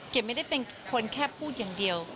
ไม่ได้เป็นคนแค่พูดอย่างเดียว